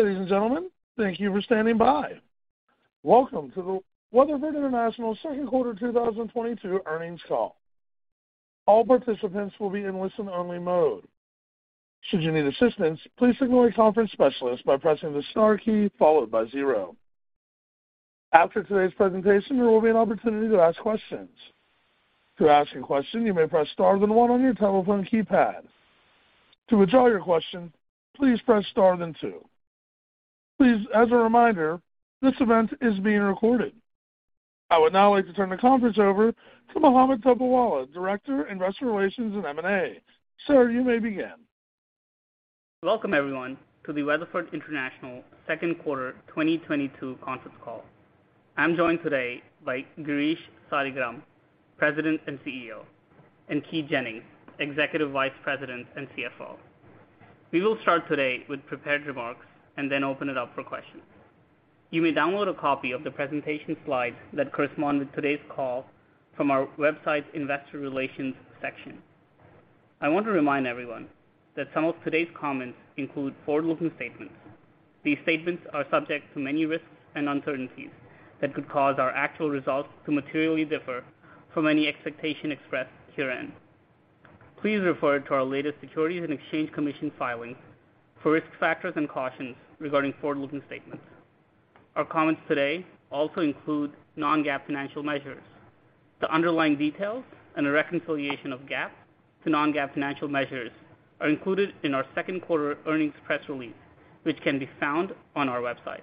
Ladies and gentlemen, thank you for standing by. Welcome to the Weatherford International second quarter 2022 earnings call. All participants will be in listen-only mode. Should you need assistance, please signal a conference specialist by pressing the star key followed by zero. After today's presentation, there will be an opportunity to ask questions. To ask a question, you may press star then one on your telephone keypad. To withdraw your question, please Press Star then two. Please, as a reminder, this event is being recorded. I would now like to turn the conference over to Mohammed Topiwala, Director of Investor Relations and M&A. Sir, you may begin. Welcome everyone to the Weatherford International second quarter 2022 conference call. I'm joined today by Girish Saligram, President and CEO, and Keith Jennings, Executive Vice President and CFO. We will start today with prepared remarks and then open it up for questions. You may download a copy of the presentation slides that correspond with today's call from our website's investor relations section. I want to remind everyone that some of today's comments include forward-looking statements. These statements are subject to many risks and uncertainties that could cause our actual results to materially differ from any expectation expressed herein. Please refer to our latest Securities and Exchange Commission filing for risk factors and cautions regarding forward-looking statements. Our comments today also include non-GAAP financial measures. The underlying details and the reconciliation of GAAP to non-GAAP financial measures are included in our second quarter earnings press release, which can be found on our website.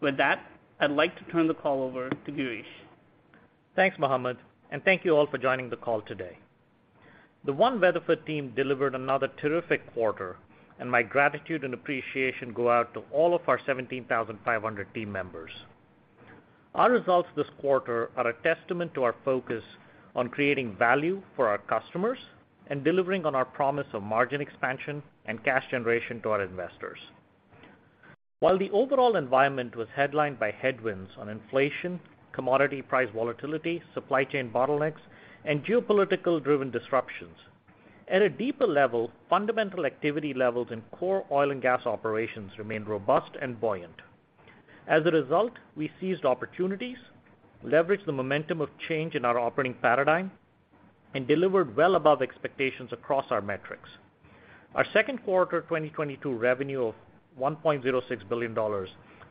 With that, I'd like to turn the call over to Girish. Thanks, Mohammed, and thank you all for joining the call today. The One Weatherford team delivered another terrific quarter, and my gratitude and appreciation go out to all of our 17,500 team members. Our results this quarter are a testament to our focus on creating value for our customers and delivering on our promise of margin expansion and cash generation to our investors. While the overall environment was headlined by headwinds on inflation, commodity price volatility, supply chain bottlenecks, and geopolitical-driven disruptions, at a deeper level, fundamental activity levels in core oil and gas operations remain robust and buoyant. As a result, we seized opportunities, leveraged the momentum of change in our operating paradigm, and delivered well above expectations across our metrics. Our second quarter 2022 revenue of $1.06 billion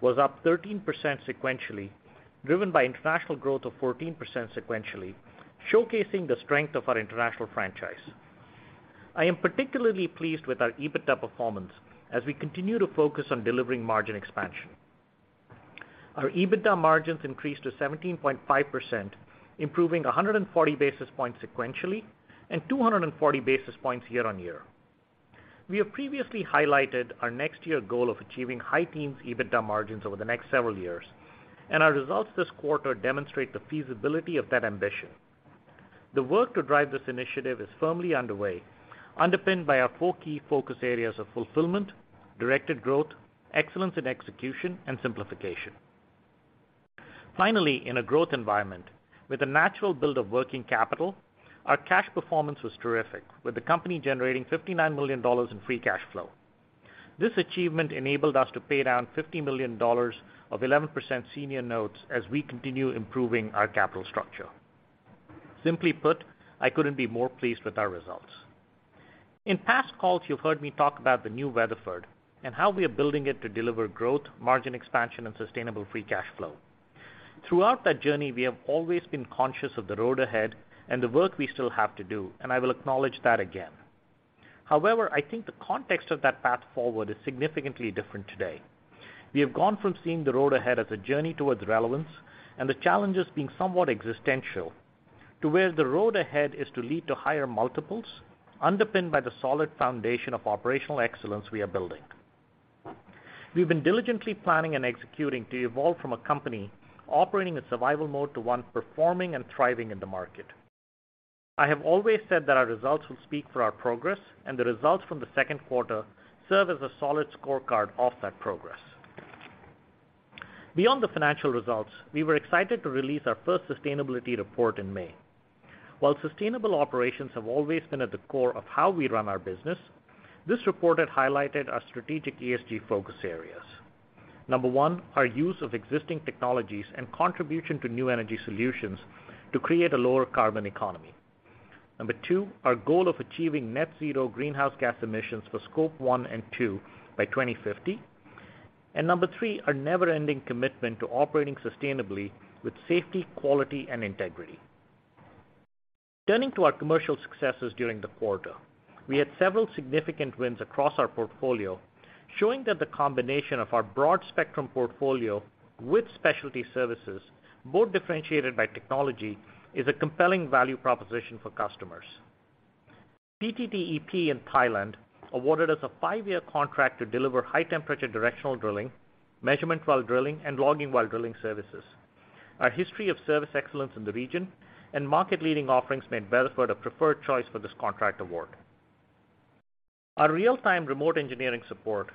was up 13% sequentially, driven by international growth of 14% sequentially, showcasing the strength of our international franchise. I am particularly pleased with our EBITDA performance as we continue to focus on delivering margin expansion. Our EBITDA margins increased to 17.5%, improving 140 basis points sequentially and 240 basis points year-on-year. We have previously highlighted our next year goal of achieving high teens EBITDA margins over the next several years, and our results this quarter demonstrate the feasibility of that ambition. The work to drive this initiative is firmly underway, underpinned by our four key focus areas of fulfillment, directed growth, excellence in execution, and simplification. Finally, in a growth environment with a natural build of working capital, our cash performance was terrific, with the company generating $59 million in free cash flow. This achievement enabled us to pay down $50 million of 11% senior notes as we continue improving our capital structure. Simply put, I couldn't be more pleased with our results. In past calls, you've heard me talk about the new Weatherford and how we are building it to deliver growth, margin expansion and sustainable free cash flow. Throughout that journey, we have always been conscious of the road ahead and the work we still have to do, and I will acknowledge that again. However, I think the context of that path forward is significantly different today. We have gone from seeing the road ahead as a journey towards relevance and the challenges being somewhat existential to where the road ahead is to lead to higher multiples underpinned by the solid foundation of operational excellence we are building. We've been diligently planning and executing to evolve from a company operating in survival mode to one performing and thriving in the market. I have always said that our results will speak for our progress, and the results from the second quarter serve as a solid scorecard of that progress. Beyond the financial results, we were excited to release our first sustainability report in May. While sustainable operations have always been at the core of how we run our business, this report had highlighted our strategic ESG focus areas. Number one, our use of existing technologies and contribution to new energy solutions to create a lower carbon economy. Number two, our goal of achieving net zero greenhouse gas emissions for Scope one and two by 2050. Number three, our never-ending commitment to operating sustainably with safety, quality and integrity. Turning to our commercial successes during the quarter, we had several significant wins across our portfolio, showing that the combination of our broad spectrum portfolio with specialty services, both differentiated by technology, is a compelling value proposition for customers. PTTEP in Thailand awarded us a five-year contract to deliver high temperature directional drilling, measurement while drilling, and logging while drilling services. Our history of service excellence in the region and market-leading offerings made Weatherford a preferred choice for this contract award. Our real-time remote engineering support,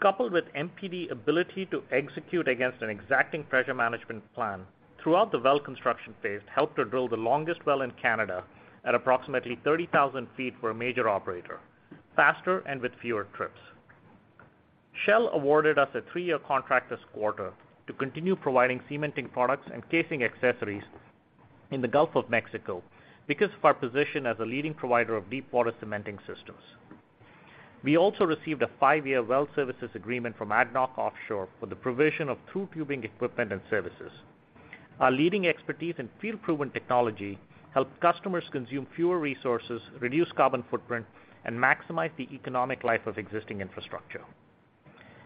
coupled with MPD ability to execute against an exacting pressure management plan throughout the well construction phase, helped to drill the longest well in Canada at approximately 30,000 feet for a major operator, faster and with fewer trips. Shell awarded us a three year contract this quarter to continue providing cementing products and casing accessories in the Gulf of Mexico because of our position as a leading provider of deepwater cementing systems. We also received a five year well services agreement from ADNOC Offshore for the provision of tubular equipment and services. Our leading expertise in field-proven technology help customers consume fewer resources, reduce carbon footprint, and maximize the economic life of existing infrastructure.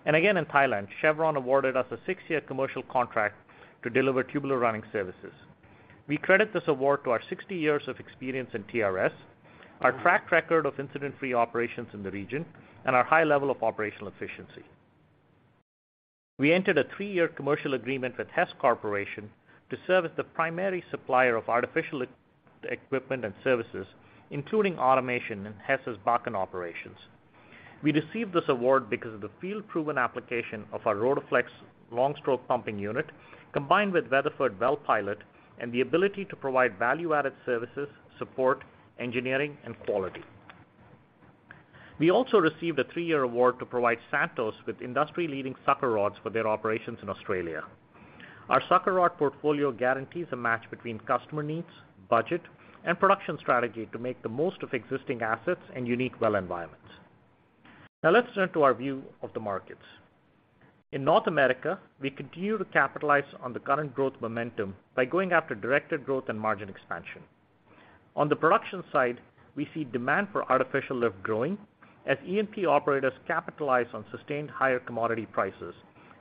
Again, in Thailand, Chevron awarded us a six year commercial contract to deliver tubular running services. We credit this award to our 60 years of experience in TRS, our track record of incident-free operations in the region, and our high level of operational efficiency. We entered a three-year commercial agreement with Hess Corporation to serve as the primary supplier of artificial equipment and services, including automation in Hess's Bakken operations. We received this award because of the field-proven application of our Rotaflex long stroke pumping unit, combined with Weatherford WellPilot and the ability to provide value-added services, support, engineering, and quality. We also received a three-year award to provide Santos with industry-leading sucker rods for their operations in Australia. Our sucker rod portfolio guarantees a match between customer needs, budget, and production strategy to make the most of existing assets and unique well environments. Now let's turn to our view of the markets. In North America, we continue to capitalize on the current growth momentum by going after directed growth and margin expansion. On the production side, we see demand for artificial lift growing as E&P operators capitalize on sustained higher commodity prices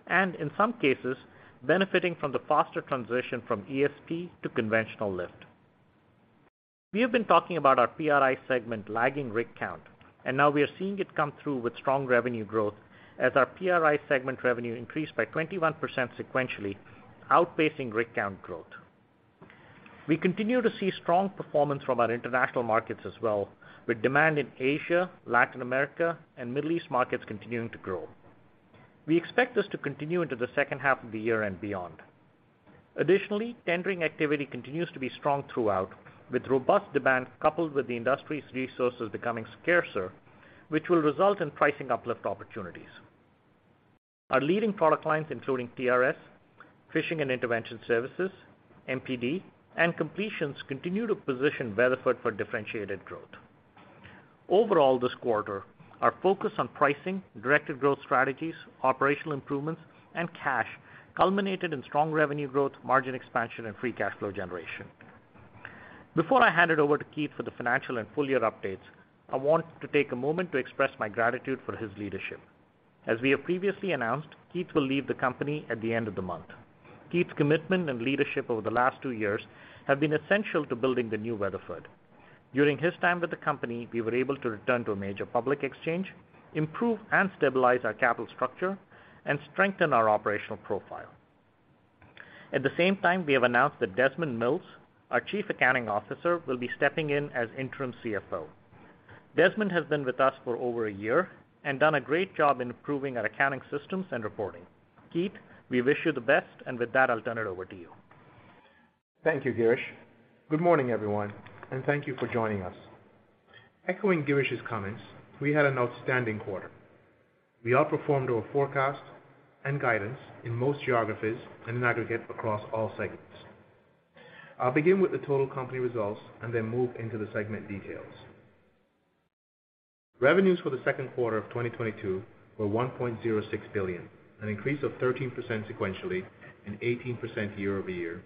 and, in some cases, benefiting from the faster transition from ESP to conventional lift. We have been talking about our PRI segment lagging rig count, and now we are seeing it come through with strong revenue growth as our PRI segment revenue increased by 21% sequentially, outpacing rig count growth. We continue to see strong performance from our international markets as well, with demand in Asia, Latin America, and Middle East markets continuing to grow. We expect this to continue into the second half of the year and beyond. Additionally, tendering activity continues to be strong throughout, with robust demand coupled with the industry's resources becoming scarcer, which will result in pricing uplift opportunities. Our leading product lines, including TRS, Fishing and Intervention Services, MPD, and Completions, continue to position Weatherford for differentiated growth. Overall, this quarter, our focus on pricing, directed growth strategies, operational improvements, and cash culminated in strong revenue growth, margin expansion, and free cash flow generation. Before I hand it over to Keith for the financial and full-year updates, I want to take a moment to express my gratitude for his leadership. As we have previously announced, Keith will leave the company at the end of the month. Keith's commitment and leadership over the last two years have been essential to building the new Weatherford. During his time with the company, we were able to return to a major public exchange, improve and stabilize our capital structure, and strengthen our operational profile. At the same time, we have announced that Desmond Mills, our Chief Accounting Officer, will be stepping in as Interim CFO. Desmond has been with us for over a year and done a great job in improving our accounting systems and reporting. Keith, we wish you the best, and with that, I'll turn it over to you. Thank you, Girish. Good morning, everyone, and thank you for joining us. Echoing Girish's comments, we had an outstanding quarter. We outperformed our forecast and guidance in most geographies in aggregate across all segments. I'll begin with the total company results and then move into the segment details. Revenues for the second quarter of 2022 were $1.06 billion, an increase of 13% sequentially and 18% year-over-year.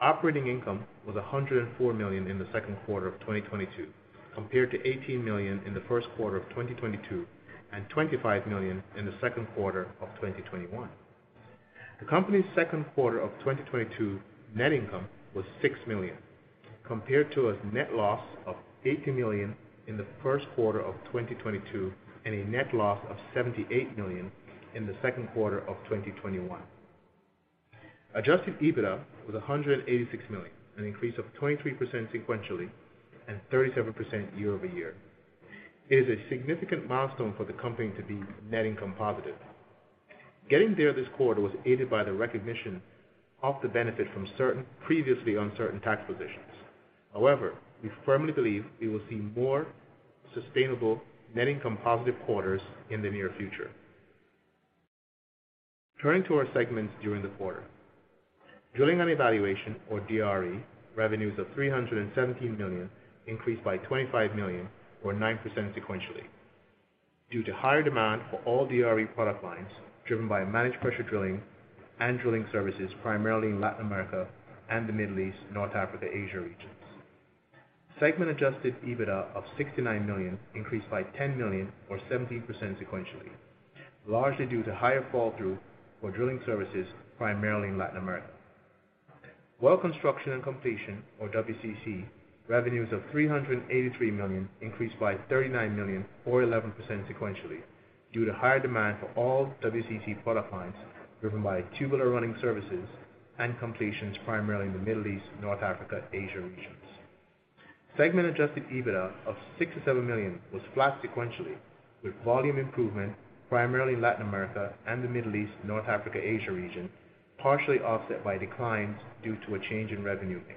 Operating income was $104 million in the second quarter of 2022 compared to $18 million in the first quarter of 2022 and $25 million in the second quarter of 2021. The company's second quarter of 2022 net income was $6 million compared to a net loss of $80 million in the first quarter of 2022 and a net loss of $78 million in the second quarter of 2021. Adjusted EBITDA was $186 million, an increase of 23% sequentially and 37% year-over-year. It is a significant milestone for the company to be net income positive. Getting there this quarter was aided by the recognition of the benefit from certain previously uncertain tax positions. However, we firmly believe we will see more sustainable net income positive quarters in the near future. Turning to our segments during the quarter. Drilling and Evaluation, or DRE, revenues of $317 million increased by $20 million or 9% sequentially due to higher demand for all DRE product lines driven by managed pressure drilling and drilling services primarily in Latin America and the Middle East, North Africa, Asia regions. Segment adjusted EBITDA of $69 million increased by $10 million or 17% sequentially, largely due to higher flow-through for drilling services primarily in Latin America. Well Construction and Completion, or WCC, revenues of $383 million increased by $39 million or 11% sequentially due to higher demand for all WCC product lines driven by tubular running services and completions primarily in the Middle East, North Africa, Asia regions. Segment adjusted EBITDA of $67 million was flat sequentially, with volume improvement primarily in Latin America and the Middle East, North Africa, Asia region, partially offset by declines due to a change in revenue mix.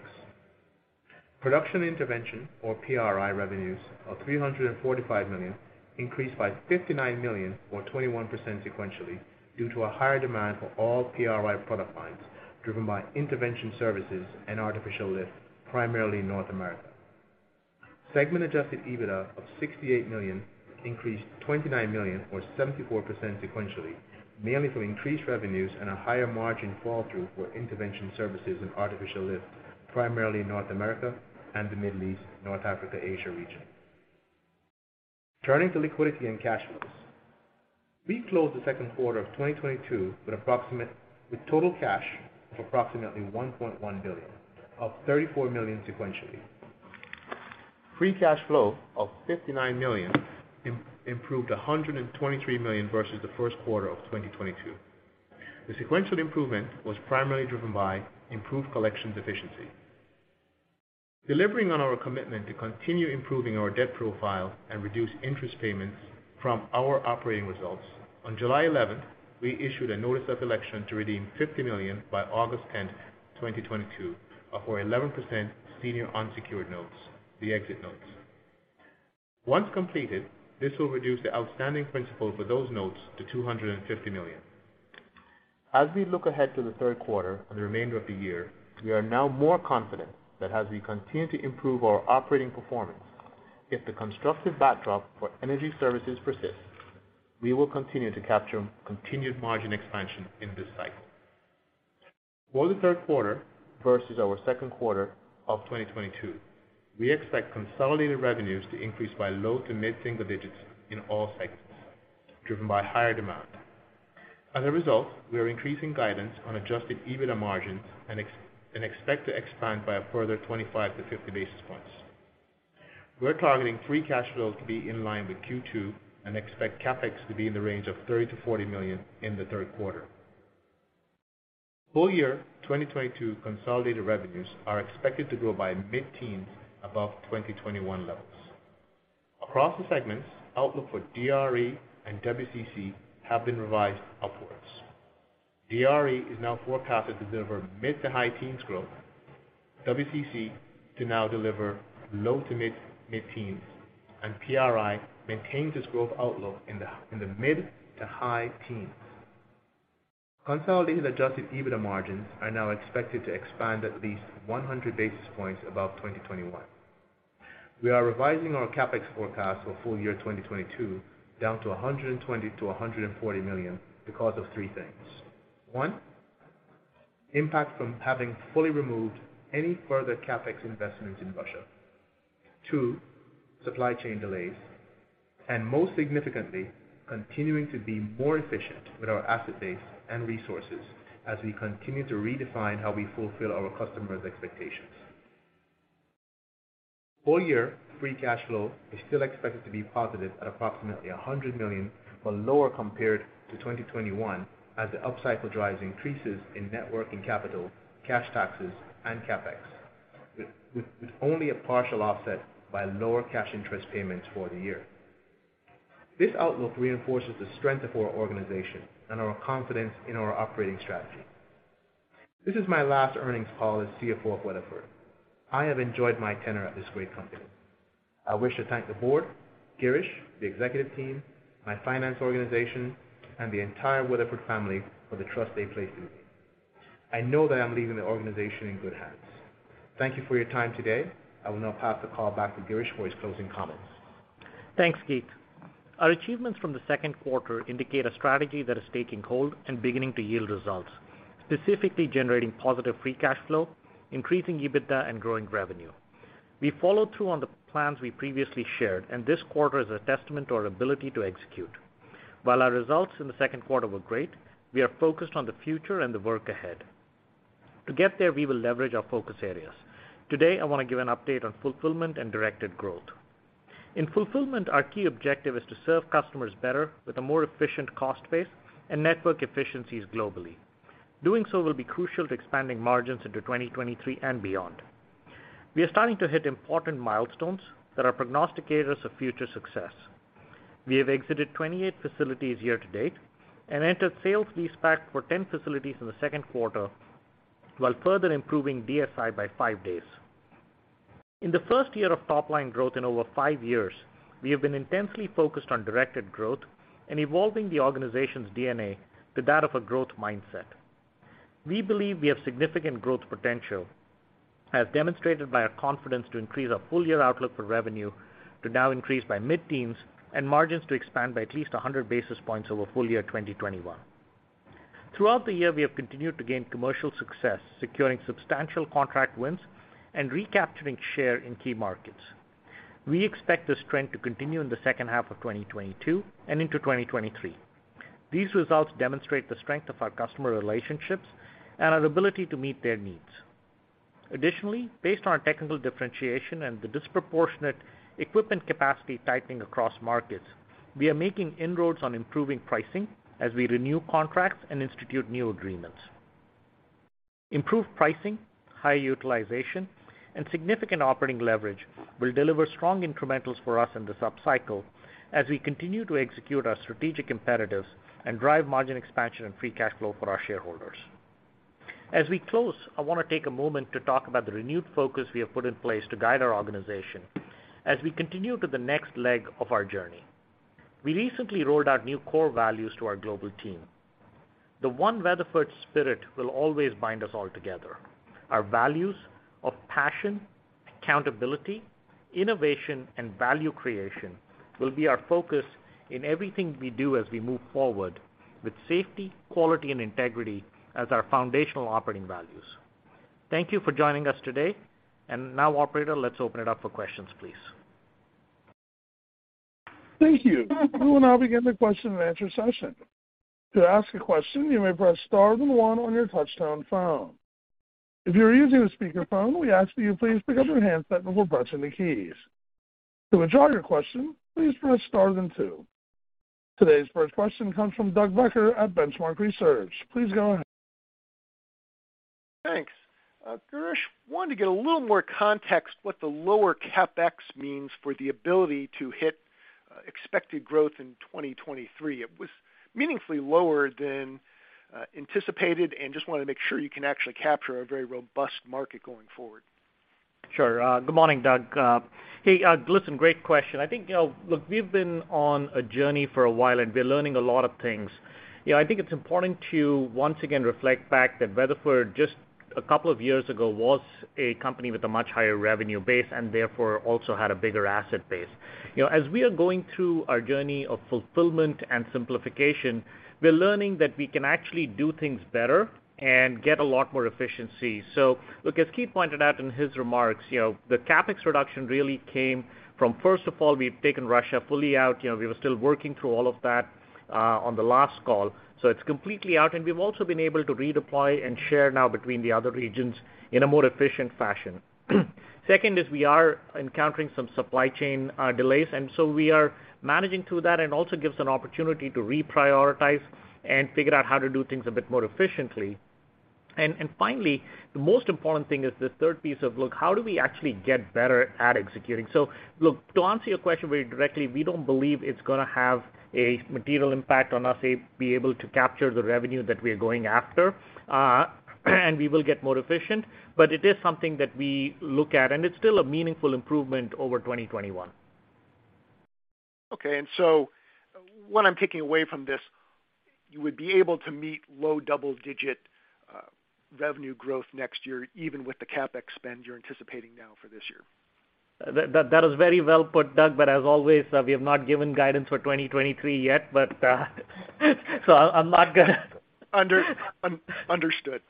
Production intervention or PRI revenues of $345 million increased by $59 million or 21% sequentially due to a higher demand for all PRI product lines driven by intervention services and artificial lift, primarily in North America. Segment adjusted EBITDA of $68 million increased $29 million or 74% sequentially, mainly from increased revenues and a higher margin fall through for intervention services and artificial lift, primarily in North America and the Middle East, North Africa, Asia region. Turning to liquidity and cash flows. We closed the second quarter of 2022 with total cash of approximately $1.1 billion, up $34 million sequentially. Free cash flow of $59 million improved $123 million versus the first quarter of 2022. The sequential improvement was primarily driven by improved collections efficiency. Delivering on our commitment to continue improving our debt profile and reduce interest payments from our operating results, on 11th July, we issued a notice of election to redeem $50 million by August 10, 2022 of our 11% senior unsecured notes, the exit notes. Once completed, this will reduce the outstanding principal for those notes to $250 million. As we look ahead to the third quarter and the remainder of the year, we are now more confident that as we continue to improve our operating performance, if the constructive backdrop for energy services persists, we will continue to capture continued margin expansion in this cycle. For the third quarter versus our second quarter of 2022, we expect consolidated revenues to increase by low to mid-single digits in all segments, driven by higher demand. As a result, we are increasing guidance on adjusted EBITDA margins and expect to expand by a further 25-50 basis points. We're targeting free cash flow to be in line with Q2 and expect CapEx to be in the range of $30-$40 million in the third quarter. Full year 2022 consolidated revenues are expected to grow by mid-teens above 2021 levels. Across the segments, outlook for DRE and WCC have been revised upwards. DRE is now forecasted to deliver mid to high teens growth. WCC to now deliver low to mid-teens, and PRI maintains its growth outlook in the mid to high teens. Consolidated adjusted EBITDA margins are now expected to expand at least 100 basis points above 2021. We are revising our CapEx forecast for full year 2022 down to $120 million-$140 million because of three things. One, impact from having fully removed any further CapEx investments in Russia. Two, supply chain delays, and most significantly, continuing to be more efficient with our asset base and resources as we continue to redefine how we fulfill our customers' expectations. Full year free cash flow is still expected to be positive at approximately $100 million, but lower compared to 2021 as the up-cycle drives increases in net working capital, cash taxes and CapEx, with only a partial offset by lower cash interest payments for the year. This outlook reinforces the strength of our organization and our confidence in our operating strategy. This is my last earnings call as CFO of Weatherford. I have enjoyed my tenure at this great company. I wish to thank the board, Girish, the executive team, my finance organization, and the entire Weatherford family for the trust they placed in me. I know that I'm leaving the organization in good hands. Thank you for your time today. I will now pass the call back to Girish for his closing comments. Thanks, Keith. Our achievements from the second quarter indicate a strategy that is taking hold and beginning to yield results, specifically generating positive free cash flow, increasing EBITDA and growing revenue. We followed through on the plans we previously shared, and this quarter is a testament to our ability to execute. While our results in the second quarter were great, we are focused on the future and the work ahead. To get there, we will leverage our focus areas. Today, I want to give an update on fulfillment and directed growth. In fulfillment, our key objective is to serve customers better with a more efficient cost base and network efficiencies globally. Doing so will be crucial to expanding margins into 2023 and beyond. We are starting to hit important milestones that are prognosticators of future success. We have exited 28 facilities year to date and entered sales leaseback for 10 facilities in the second quarter, while further improving DSI by five days. In the first year of top line growth in over five years, we have been intensely focused on directed growth and evolving the organization's DNA to that of a growth mindset. We believe we have significant growth potential, as demonstrated by our confidence to increase our full year outlook for revenue to now increase by mid-teens and margins to expand by at least 100 basis points over full year 2021. Throughout the year, we have continued to gain commercial success, securing substantial contract wins and recapturing share in key markets. We expect this trend to continue in the second half of 2022 and into 2023. These results demonstrate the strength of our customer relationships and our ability to meet their needs. Additionally, based on our technical differentiation and the disproportionate equipment capacity tightening across markets, we are making inroads on improving pricing as we renew contracts and institute new agreements. Improved pricing, high utilization, and significant operating leverage will deliver strong incrementals for us in this upcycle as we continue to execute our strategic imperatives and drive margin expansion and free cash flow for our shareholders. As we close, I wanna take a moment to talk about the renewed focus we have put in place to guide our organization as we continue to the next leg of our journey. We recently rolled out new core values to our global team. The One Weatherford spirit will always bind us all together. Our values of passion, accountability, innovation, and value creation will be our focus in everything we do as we move forward with safety, quality, and integrity as our foundational operating values. Thank you for joining us today. Now, operator, let's open it up for questions, please. Thank you. We will now begin the question and answer session. To ask a question, you may press star then one on your touchtone phone. If you're using a speaker phone, we ask that you please pick up your handset before pressing the keys. To withdraw your question, please press star then two. Today's first question comes from Douglas Becker at The Benchmark Company. Please go ahead. Thanks. Girish, wanted to get a little more context what the lower CapEx means for the ability to hit expected growth in 2023. It was meaningfully lower than anticipated, and just wanna make sure you can actually capture a very robust market going forward. Sure. Good morning, Doug. Hey, listen, great question. I think, you know, look, we've been on a journey for a while, and we're learning a lot of things. You know, I think it's important to once again reflect back that Weatherford just a couple of years ago was a company with a much higher revenue base and therefore also had a bigger asset base. You know, as we are going through our journey of fulfillment and simplification, we're learning that we can actually do things better and get a lot more efficiency. Look, as Keith pointed out in his remarks, you know, the CapEx reduction really came from, first of all, we've taken Russia fully out. You know, we were still working through all of that on the last call, so it's completely out. We've also been able to redeploy and share now between the other regions in a more efficient fashion. Second is we are encountering some supply chain delays, and so we are managing through that, and it also gives an opportunity to reprioritize and figure out how to do things a bit more efficiently. Finally, the most important thing is the third piece of, look, how do we actually get better at executing? Look, to answer your question very directly, we don't believe it's gonna have amaterial impact on us be able to capture the revenue that we are going after, and we will get more efficient. It is something that we look at, and it's still a meaningful improvement over 2021. What I'm taking away from this, you would be able to meet low double digit revenue growth next year, even with the CapEx spend you're anticipating now for this year. That is very well put, Doug, but as always, we have not given guidance for 2023 yet, but so I'm not gonna. Under-un-understood.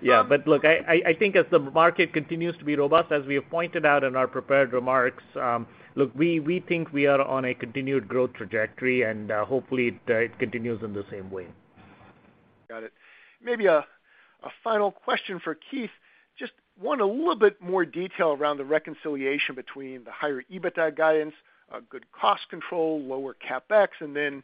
Yeah, look, I think as the market continues to be robust, as we have pointed out in our prepared remarks, look, we think we are on a continued growth trajectory, and it continues in the same way. Got it. Maybe a final question for Keith. Just want a little bit more detail around the reconciliation between the higher EBITDA guidance, good cost control, lower CapEx, and then,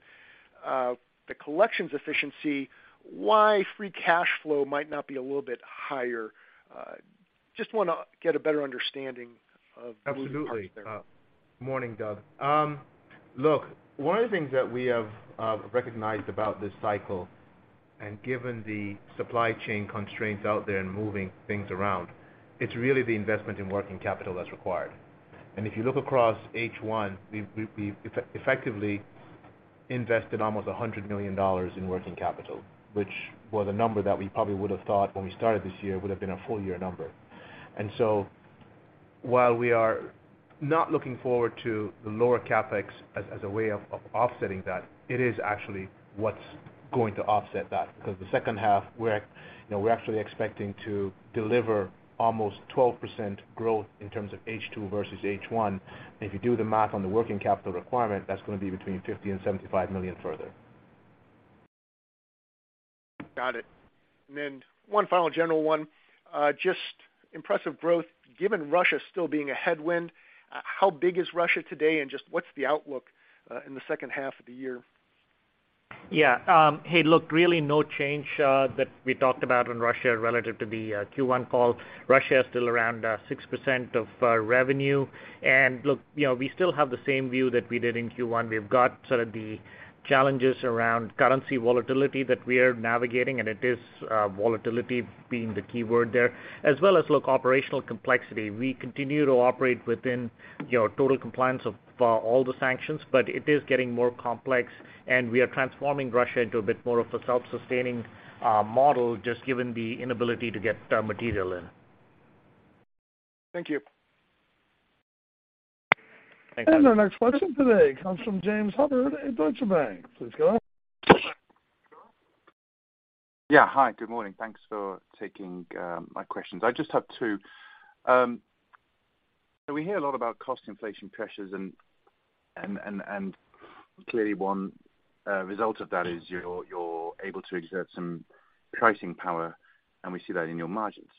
the collections efficiency, why free cash flow might not be a little bit higher. Just wanna get a better understanding of- Absolutely. The moving parts there. Morning, Doug. Look, one of the things that we have recognized about this cycle and given the supply chain constraints out there in moving things around, it's really the investment in working capital that's required. If you look across H1, we've effectively invested almost $100 million in working capital, which was a number that we probably would've thought when we started this year would've been a full year number. While we are not looking forward to the lower CapEx as a way of offsetting that, it is actually what's going to offset that. Because the second half, you know, we're actually expecting to deliver almost 12% growth in terms of H2 versus H1. If you do the math on the working capital requirement, that's gonna be between $50 million and $75 million further. Got it. Then one final general one, just impressive growth. Given Russia still being a headwind, how big is Russia today, and just what's the outlook, in the second half of the year? Yeah. Hey, look, really no change that we talked about on Russia relative to the Q1 call. Russia is still around 6% of revenue. Look, you know, we still have the same view that we did in Q1. We've got sort of the challenges around currency volatility that we are navigating, and it is volatility being the key word there. As well as, look, operational complexity. We continue to operate within, you know, total compliance of all the sanctions, but it is getting more complex, and we are transforming Russia into a bit more of a self-sustaining model, just given the inability to get material in. Thank you. Thanks. Our next question today comes from James Hubbard at Deutsche Bank. Please go ahead. Yeah. Hi, good morning. Thanks for taking my questions. I just have two. So we hear a lot about cost inflation pressures and clearly one result of that is you're able to exert some pricing power, and we see that in your margins.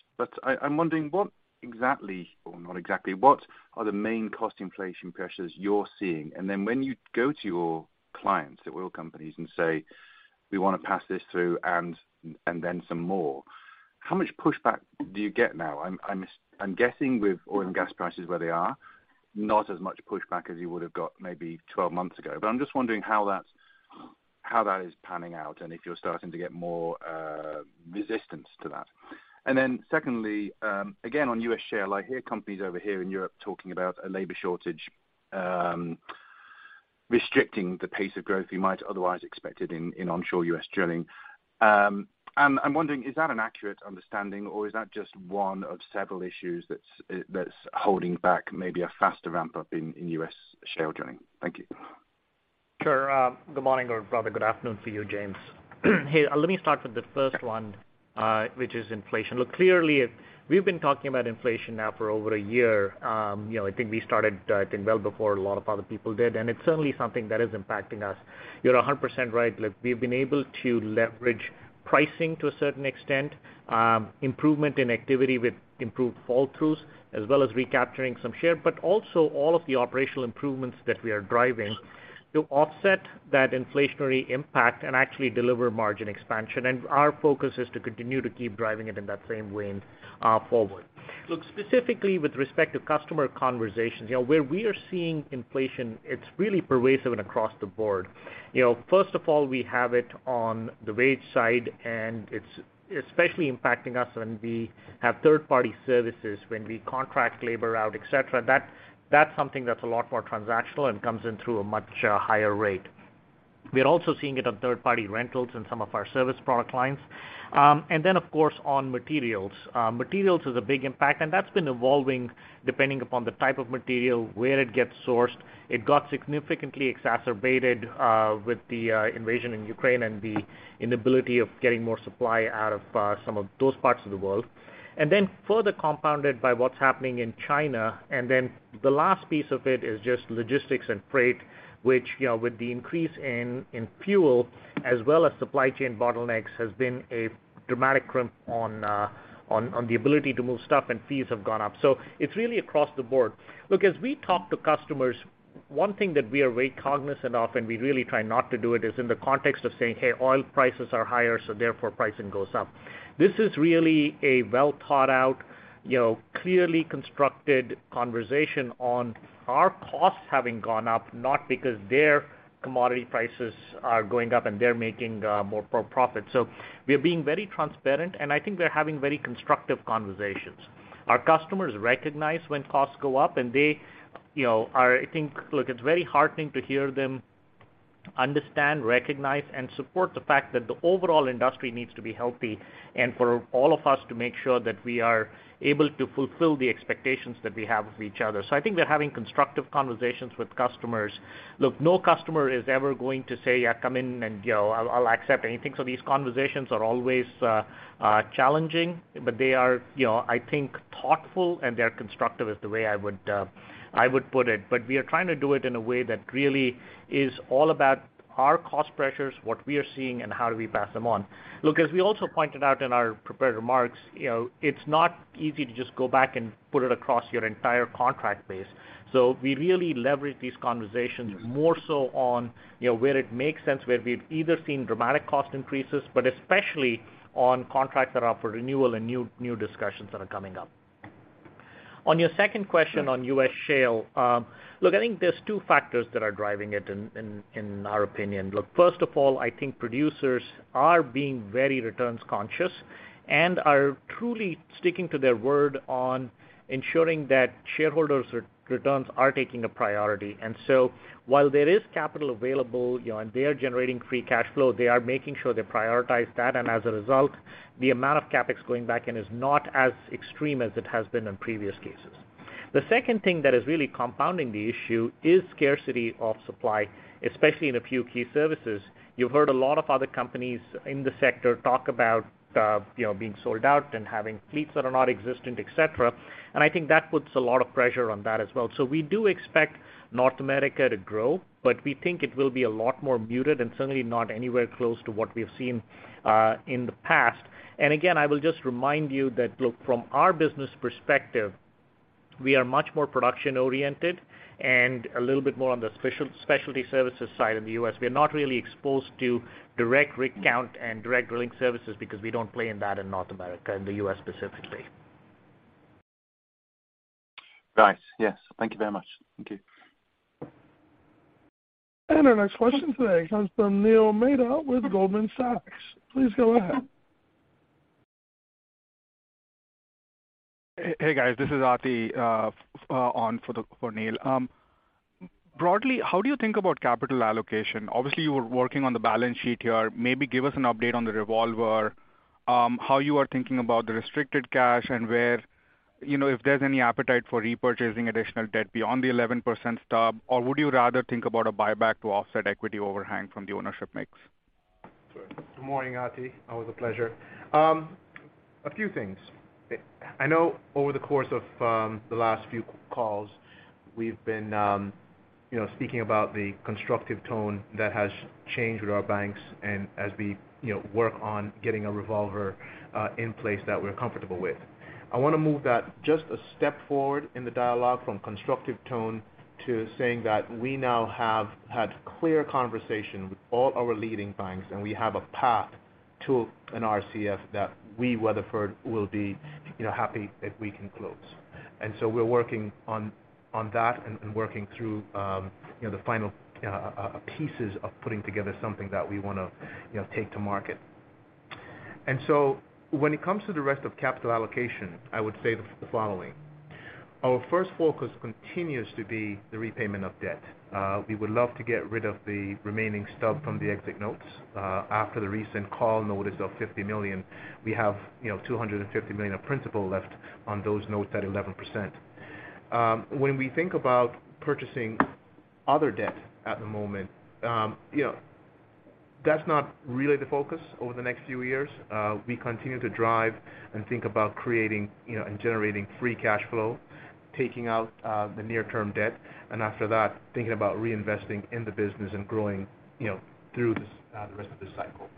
I'm wondering what exactly or not exactly, what are the main cost inflation pressures you're seeing? And then when you go to your clients at oil companies and say, "We wanna pass this through," and then some more, how much pushback do you get now? I'm guessing with oil and gas prices where they are, not as much pushback as you would've got maybe 12 months ago. I'm just wondering how that's panning out and if you're starting to get more resistance to that. Then secondly, again, on U.S. share, like, I hear companies over here in Europe talking about a labor shortage, restricting the pace of growth you might otherwise expected in onshore U.S. drilling. I'm wondering, is that an accurate understanding or is that just one of several issues that's holding back maybe a faster ramp-up in U.S. shale drilling? Thank you. Sure. Good morning or rather good afternoon for you, James. Hey, let me start with the first one, which is inflation. Look, clearly, we've been talking about inflation now for over a year. You know, I think we started, I think well before a lot of other people did, and it's certainly something that is impacting us. You're 100% right. Look, we've been able to leverage pricing to a certain extent, improvement in activity with improved fall-throughs as well as recapturing some share, but also all of the operational improvements that we are driving to offset that inflationary impact and actually deliver margin expansion. Our focus is to continue to keep driving it in that same vein, forward. Look, specifically with respect to customer conversations, you know, where we are seeing inflation, it's really pervasive and across the board. You know, first of all, we have it on the wage side and it's especially impacting us when we have third party services when we contract labor out, et cetera. That's something that's a lot more transactional and comes in through a much higher rate. We are also seeing it on third party rentals in some of our service product lines. Of course on materials. Materials is a big impact and that's been evolving depending upon the type of material, where it gets sourced. It got significantly exacerbated with the invasion in Ukraine and the inability of getting more supply out of some of those parts of the world. Further compounded by what's happening in China. Then the last piece of it is just logistics and freight, which, you know, with the increase in fuel as well as supply chain bottlenecks has been a dramatic crimp on the ability to move stuff and fees have gone up. It's really across the board. Look, as we talk to customers, one thing that we are very cognizant of and we really try not to do it is in the context of saying, "Hey, oil prices are higher so therefore pricing goes up." This is really a well thought out, you know, clearly constructed conversation on our costs having gone up not because their commodity prices are going up and they're making more profit. We are being very transparent and I think we're having very constructive conversations. Our customers recognize when costs go up and they, you know, are, I think. Look, it's very heartening to hear them understand, recognize and support the fact that the overall industry needs to be healthy and for all of us to make sure that we are able to fulfill the expectations that we have of each other. I think we're having constructive conversations with customers. Look, no customer is ever going to say, "Yeah, come in and you know, I'll accept anything." These conversations are always challenging but they are you know, I think thoughtful and they're constructive is the way I would put it. We are trying to do it in a way that really is all about our cost pressures, what we are seeing and how do we pass them on. Look, as we also pointed out in our prepared remarks, you know, it's not easy to just go back and put it across your entire contract base. So we really leverage these conversations more so on you know, where it makes sense where we've either seen dramatic cost increases but especially on contracts that are up for renewal and new discussions that are coming up. On your second question on U.S. shale, look, I think there's two factors that are driving it in our opinion. Look, first of all, I think producers are being very returns conscious and are truly sticking to their word on ensuring that shareholders returns are taking a priority. While there is capital available, you know, and they are generating free cash flow, they are making sure they prioritize that and as a result the amount of CapEx going back in is not as extreme as it has been in previous cases. The second thing that is really compounding the issue is scarcity of supply, especially in a few key services. You've heard a lot of other companies in the sector talk about, you know, being sold out and having fleets that are not existent, et cetera, and I think that puts a lot of pressure on that as well. We do expect North America to grow but we think it will be a lot more muted and certainly not anywhere close to what we've seen in the past. Again, I will just remind you that look, from our business perspective we are much more production oriented and a little bit more on the specialty services side in the U.S. We're not really exposed to direct rig count and direct drilling services because we don't play in that in North America, in the U.S. specifically. Right. Yes. Thank you very much. Thank you. Our next question today comes from Neil Mehta with Goldman Sachs. Please go ahead. Hey guys, this is Ati on for Neil. Broadly, how do you think about capital allocation? Obviously you are working on the balance sheet here. Maybe give us an update on the revolver, how you are thinking about the restricted cash and where, you know, if there's any appetite for repurchasing additional debt beyond the 11% stub or would you rather think about a buyback to offset equity overhang from the ownership mix? Sure. Good morning, Ati. Always a pleasure. A few things. I know over the course of the last few calls we've been, you know, speaking about the constructive tone that has changed with our banks and as we, you know, work on getting a revolver in place that we're comfortable with. I wanna move that just a step forward in the dialogue from constructive tone to saying that we now have had clear conversation with all our leading banks and we have a path. To an RCF that we, Weatherford, will be you know happy if we can close. We're working on that and working through you know the final pieces of putting together something that we wanna you know take to market. When it comes to the rest of capital allocation, I would say the following. Our first focus continues to be the repayment of debt. We would love to get rid of the remaining stub from the exit notes. After the recent call notice of $50 million, we have you know $250 million of principal left on those notes at 11%. When we think about purchasing other debt at the moment, you know that's not really the focus over the next few years. We continue to drive and think about creating, you know, and generating free cash flow, taking out the near-term debt, and after that, thinking about reinvesting in the business and growing, you know, through this, the rest of this cycle.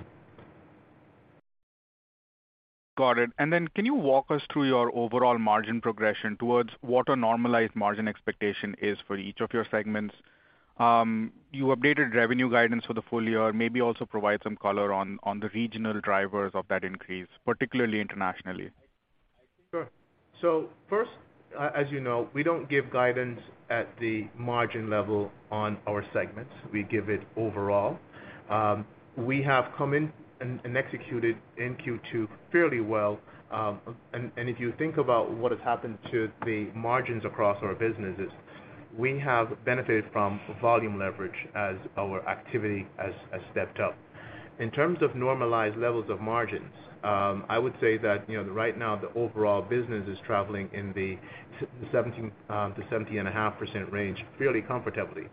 Got it. Can you walk us through your overall margin progression towards what a normalized margin expectation is for each of your segments? You updated revenue guidance for the full year. Maybe also provide some color on the regional drivers of that increase, particularly internationally. Sure. First, as you know, we don't give guidance at the margin level on our segments. We give it overall. We have come in and executed in Q2 fairly well. And if you think about what has happened to the margins across our businesses, we have benefited from volume leverage as our activity has stepped up. In terms of normalized levels of margins, I would say that, you know, right now the overall business is traveling in the 17%-17.5% range fairly comfortably.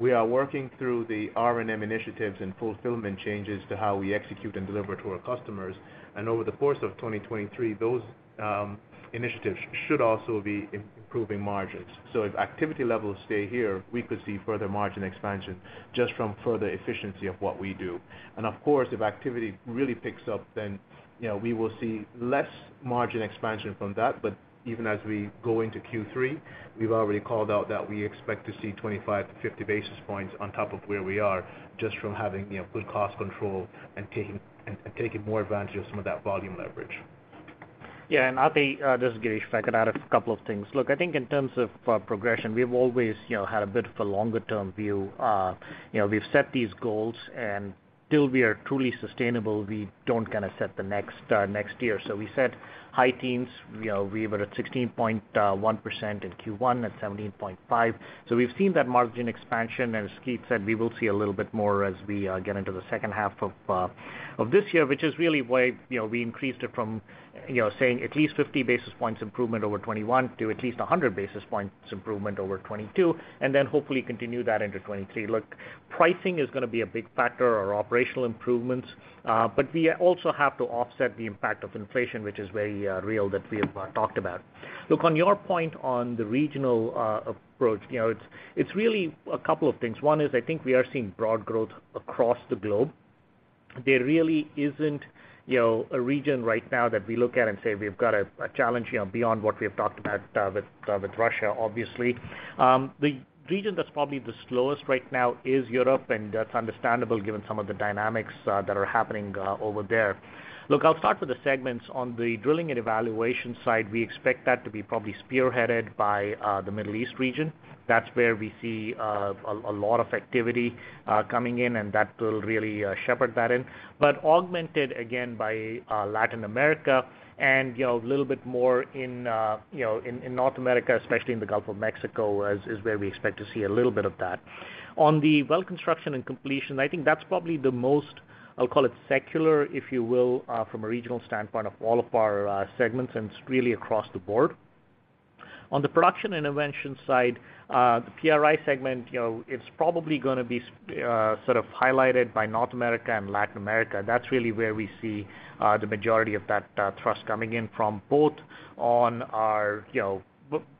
We are working through the R&M initiatives and fulfillment changes to how we execute and deliver to our customers. Over the course of 2023, those initiatives should also be improving margins. If activity levels stay here, we could see further margin expansion just from further efficiency of what we do. Of course, if activity really picks up, then, you know, we will see less margin expansion from that. Even as we go into Q3, we've already called out that we expect to see 25-50 basis points on top of where we are just from having, you know, good cost control and taking more advantage of some of that volume leverage. Yeah. Atidrip, this is Girish. If I could add a couple of things. Look, I think in terms of progression, we've always, you know, had a bit of a longer term view. You know, we've set these goals, and till we are truly sustainable, we don't kind of set the next year. So we set high teens. You know, we were at 16.1% in Q1, and 17.5%. So we've seen that margin expansion. As Keith said, we will see a little bit more as we get into the second half of this year, which is really why, you know, we increased it from, you know, saying at least 50 basis points improvement over 2021 to at least 100 basis points improvement over 2022, and then hopefully continue that into 2023. Look, pricing is gonna be a big factor in operational improvements, but we also have to offset the impact of inflation, which is very real that we have talked about. Look, on your point on the regional approach, you know, it's really a couple of things. One is I think we are seeing broad growth across the globe. There really isn't, you know, a region right now that we look at and say we've got a challenge, you know, beyond what we have talked about with Russia, obviously. The region that's probably the slowest right now is Europe, and that's understandable given some of the dynamics that are happening over there. Look, I'll start with the segments. On the drilling and evaluation side, we expect that to be probably spearheaded by the Middle East region. That's where we see a lot of activity coming in, and that will really shepherd that in. Augmented again by Latin America and, you know, a little bit more in, you know, in North America, especially in the Gulf of Mexico, is where we expect to see a little bit of that. On the well construction and completion, I think that's probably the most, I'll call it, secular, if you will, from a regional standpoint of all of our segments, and it's really across the board. On the production intervention side, the PRI segment, you know, it's probably gonna be sort of highlighted by North America and Latin America. That's really where we see the majority of that trust coming in from both on our, you know,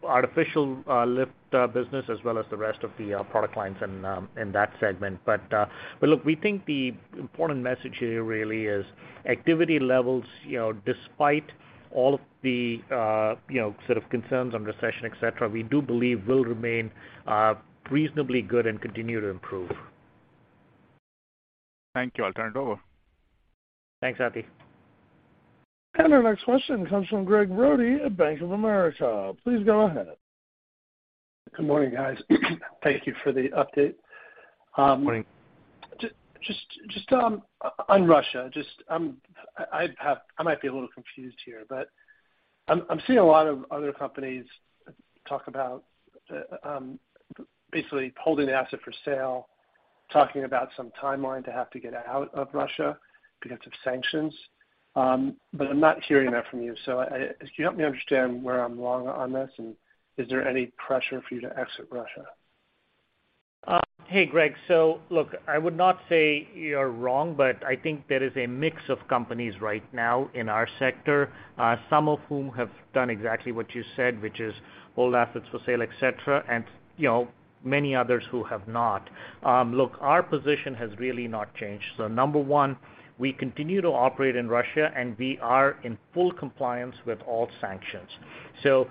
artificial lift business as well as the rest of the product lines in that segment. Look, we think the important message here really is activity levels, you know, despite all of the, you know, sort of concerns on recession, et cetera, we do believe will remain reasonably good and continue to improve. Thank you. I'll turn it over. Thanks, Atidrip. Our next question comes from Gregg Brody at Bank of America. Please go ahead. Good morning, guys. Thank you for the update. Good morning. Just on Russia, I might be a little confused here, but I'm seeing a lot of other companies talk about basically holding the asset for sale, talking about some timeline to have to get out of Russia because of sanctions. I'm not hearing that from you. Can you help me understand where I'm wrong on this, and is there any pressure for you to exit Russia? Hey, Greg. Look, I would not say you're wrong, but I think there is a mix of companies right now in our sector, some of whom have done exactly what you said, which is hold assets for sale, et cetera, and, you know, many others who have not. Look, our position has really not changed. Number one, we continue to operate in Russia, and we are in full compliance with all sanctions. You know,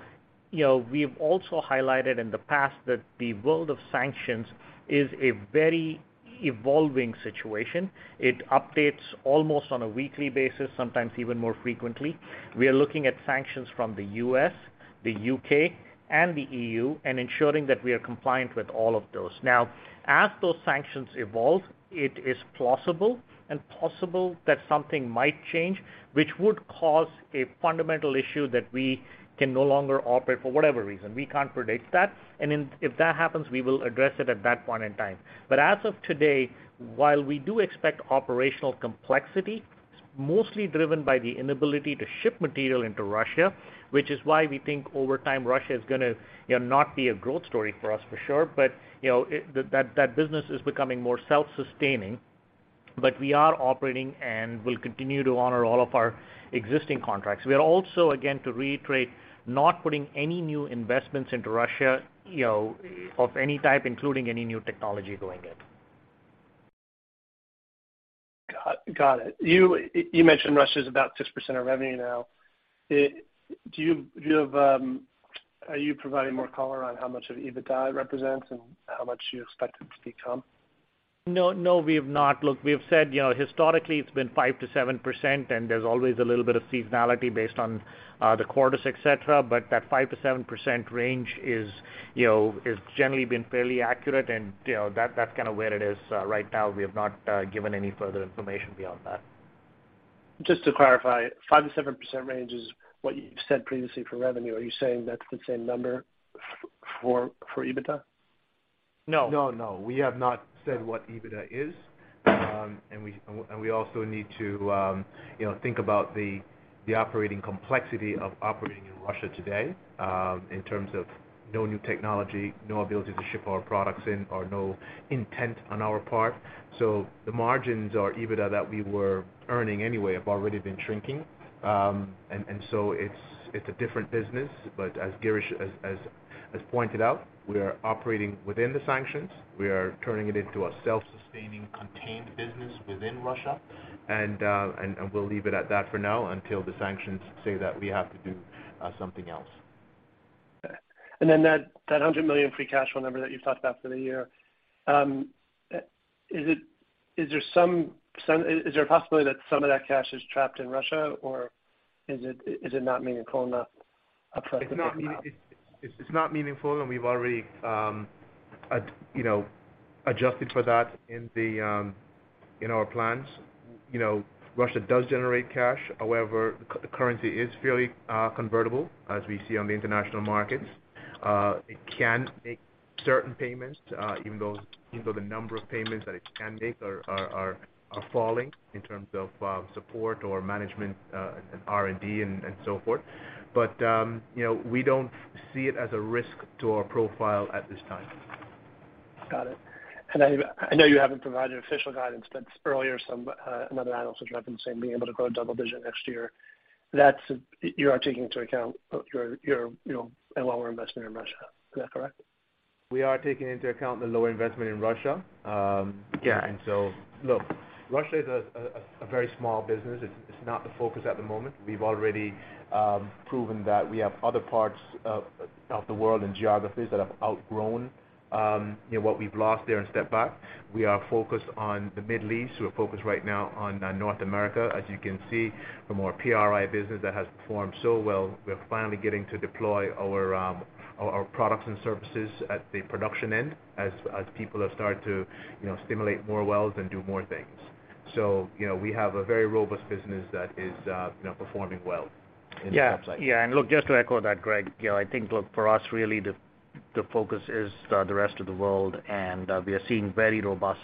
we've also highlighted in the past that the world of sanctions is a very evolving situation. It updates almost on a weekly basis, sometimes even more frequently. We are looking at sanctions from the U.S., the U.K., and the EU, and ensuring that we are compliant with all of those. Now, as those sanctions evolve, it is plausible and possible that something might change, which would cause a fundamental issue that we can no longer operate for whatever reason. We can't predict that. Then if that happens, we will address it at that point in time. As of today, while we do expect operational complexity, mostly driven by the inability to ship material into Russia, which is why we think over time Russia is gonna, you know, not be a growth story for us for sure. You know, that business is becoming more self-sustaining, but we are operating and will continue to honor all of our existing contracts. We are also, again, to reiterate, not putting any new investments into Russia, you know, of any type, including any new technology going in. Got it. You mentioned Russia's about 6% of revenue now. Do you have, are you providing more color on how much of EBITDA it represents and how much you expect it to become? No, no, we have not. Look, we have said, you know, historically it's been 5%-7%, and there's always a little bit of seasonality based on, the quarters, et cetera. But that 5%-7% range is, you know, has generally been fairly accurate, and, you know, that's kinda where it is right now. We have not given any further information beyond that. Just to clarify, 5%-7% range is what you've said previously for revenue. Are you saying that's the same number for EBITDA? No. No, no. We have not said what EBITDA is. We also need to, you know, think about the operating complexity of operating in Russia today, in terms of no new technology, no ability to ship our products in or no intent on our part. The margins or EBITDA that we were earning anyway have already been shrinking. It's a different business. As Girish has pointed out, we are operating within the sanctions. We are turning it into a self-sustaining contained business within Russia. We'll leave it at that for now until the sanctions say that we have to do something else. That $100 million free cash flow number that you've talked about for the year, is there a possibility that some of that cash is trapped in Russia, or is it not meaningful enough upfront? It's not meaningful, and we've already, you know, adjusted for that in our plans. You know, Russia does generate cash. However, the currency is fairly convertible as we see on the international markets. It can make certain payments, even though the number of payments that it can make are falling in terms of support or management, and R&D and so forth. You know, we don't see it as a risk to our profile at this time. Got it. I know you haven't provided official guidance, but earlier some other analyst was referencing being able to grow double digit next year. That is, you are taking into account your you know, a lower investment in Russia. Is that correct? We are taking into account the lower investment in Russia. Look, Russia is a very small business. It's not the focus at the moment. We've already proven that we have other parts of the world and geographies that have outgrown you know, what we've lost there and stepped back. We are focused on the Middle East. We're focused right now on North America. As you can see, from our PRI business that has performed so well, we're finally getting to deploy our products and services at the production end as people have started to you know, stimulate more wells and do more things. You know, we have a very robust business that is you know, performing well in the upside. Yeah. Yeah. Look, just to echo that, Greg, you know, I think, look, for us, really the focus is the rest of the world, and we are seeing very robust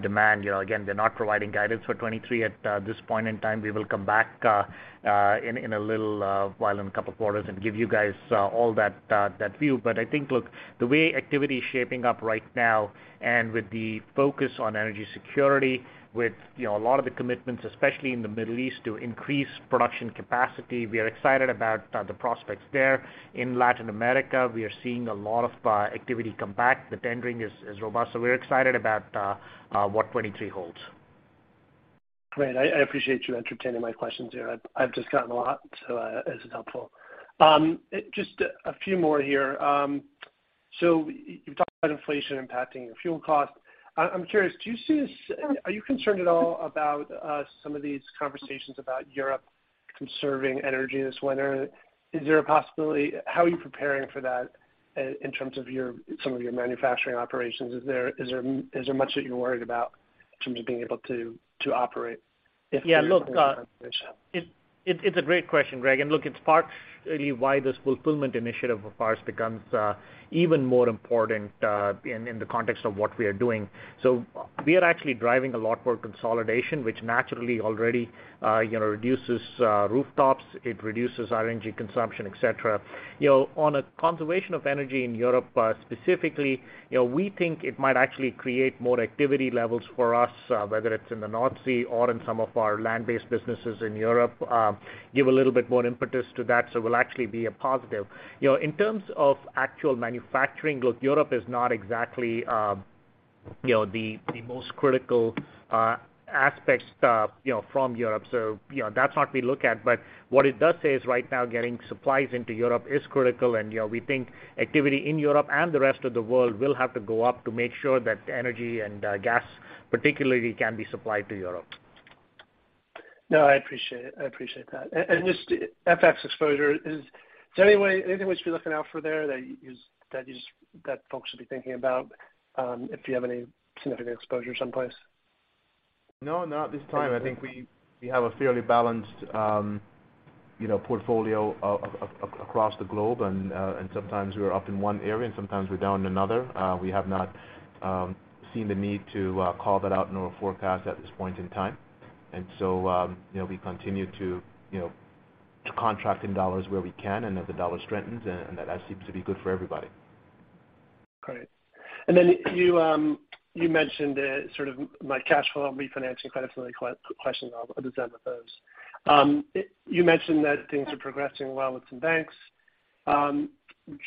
demand. You know, again, they're not providing guidance for 2023 at this point in time. We will come back in a little while in a couple of quarters and give you guys all that view. But I think, look, the way activity is shaping up right now and with the focus on energy security, with you know, a lot of the commitments, especially in the Middle East, to increase production capacity, we are excited about the prospects there. In Latin America, we are seeing a lot of activity come back. The tendering is robust, so we're excited about what 2023 holds. Great. I appreciate you entertaining my questions here. I've just gotten a lot, so this is helpful. Just a few more here. You've talked about inflation impacting your fuel costs. I'm curious. Are you concerned at all about some of these conversations about Europe conserving energy this winter? How are you preparing for that in terms of some of your manufacturing operations? Is there much that you're worried about in terms of being able to operate if there's Yeah. Look, it's a great question, Gregg. Look, it's part really why this fulfillment initiative of ours becomes even more important in the context of what we are doing. We are actually driving a lot more consolidation, which naturally already you know reduces rooftops, it reduces our energy consumption, et cetera. You know, on a conservation of energy in Europe specifically, you know, we think it might actually create more activity levels for us whether it's in the North Sea or in some of our land-based businesses in Europe, give a little bit more impetus to that, so it will actually be a positive. You know, in terms of actual manufacturing, look, Europe is not exactly you know, the most critical aspect you know from Europe. You know, that's what we look at. What it does say is right now getting supplies into Europe is critical and, you know, we think activity in Europe and the rest of the world will have to go up to make sure that energy and gas particularly can be supplied to Europe. No, I appreciate it. I appreciate that. Just FX exposure, is there anything we should be looking out for there that folks should be thinking about, if you have any significant exposure someplace? No, not at this time. I think we have a fairly balanced, you know, portfolio across the globe, and sometimes we're up in one area and sometimes we're down in another. We have not seen the need to call that out in our forecast at this point in time. We continue to, you know, contract in US dollars where we can and as the U.S. dollar strengthens, and that seems to be good for everybody. Great. Then you mentioned the sort of like cash flow refinancing credit facility questions. I'll address those. You mentioned that things are progressing well with some banks. Do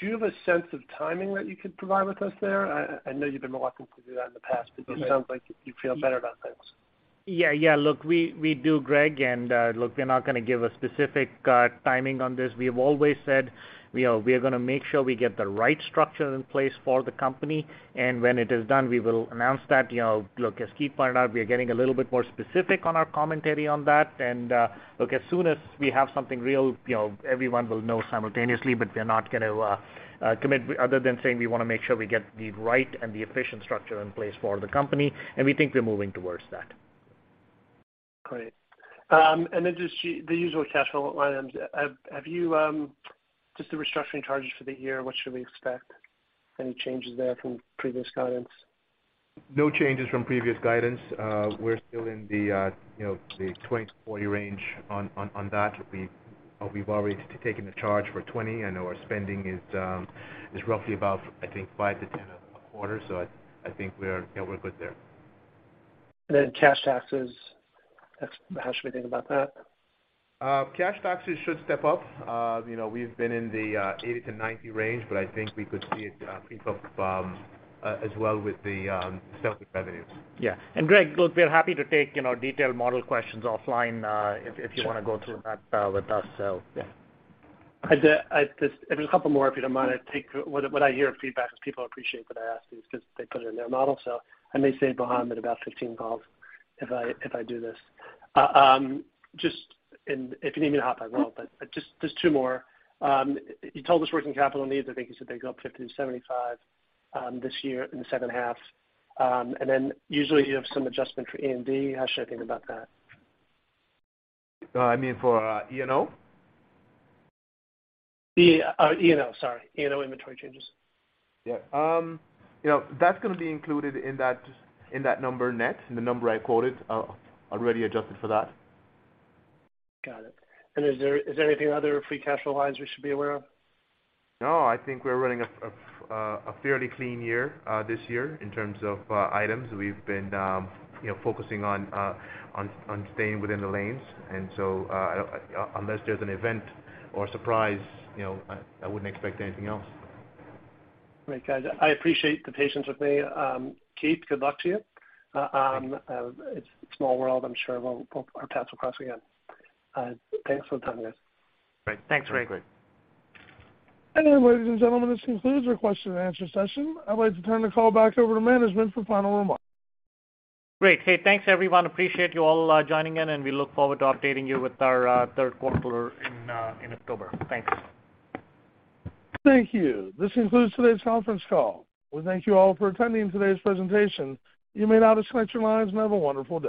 you have a sense of timing that you could provide with us there? I know you've been reluctant to do that in the past, but it sounds like you feel better about things. Yeah, yeah. Look, we do, Greg. Look, we're not gonna give a specific timing on this. We have always said, you know, we are gonna make sure we get the right structure in place for the company. When it is done, we will announce that, you know. Look, as Keith pointed out, we are getting a little bit more specific on our commentary on that. Look, as soon as we have something real, you know, everyone will know simultaneously, but we're not gonna commit other than saying we wanna make sure we get the right and the efficient structure in place for the company, and we think we're moving towards that. Great. Just the usual cash flow items. Just the restructuring charges for the year, what should we expect? Any changes there from previous guidance? No changes from previous guidance. We're still in the 20-40 range on that. We've already taken the charge for $20, and our spending is roughly about, I think, $5-$10 a quarter. I think we are, we're good there. Cash taxes, how should we think about that? Cash taxes should step up. You know, we've been in the $80-$90 range, but I think we could see it creep up as well with the incremental revenues. Yeah. Greg, look, we are happy to take, you know, detailed model questions offline, if you wanna go through that, with us, so. Yeah. There's a couple more, if you don't mind. What I hear feedback is people appreciate that I ask these 'cause they put it in their model. I may save Mohammed about 15 calls if I do this. If you need me to hop on, no, but just two more. You told us working capital needs, I think you said they go up $50-$75 this year in the second half. Usually you have some adjustment for E&P. How should I think about that? I mean, for E&O? E&O inventory changes. You know, that's gonna be included in the number I quoted. Already adjusted for that. Got it. Is there anything other free cash flow lines we should be aware of? No. I think we're running a fairly clean year, this year in terms of items. We've been, you know, focusing on staying within the lanes. Unless there's an event or surprise, you know, I wouldn't expect anything else. Great. Guys, I appreciate the patience with me. Keith, good luck to you. It's a small world. I'm sure our paths will cross again. Thanks for the time, guys. Great. Thanks, Greg. Ladies and gentlemen, this concludes our question and answer session. I'd like to turn the call back over to management for final remarks. Great. Hey, thanks, everyone. Appreciate you all joining in, and we look forward to updating you with our third quarter in October. Thanks. Thank you. This concludes today's conference call. We thank you all for attending today's presentation. You may now disconnect your lines, and have a wonderful day.